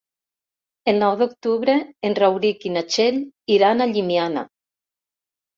El nou d'octubre en Rauric i na Txell iran a Llimiana.